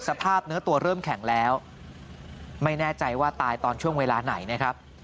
สภาพเนื้อตัวเริ่มแข็งแล้วไม่แน่ใจว่าตายตอนช่วงเวลาไหนนะครับ